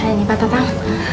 ini pak tatang